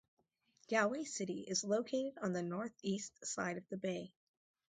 Galway city is located on the northeast side of the bay.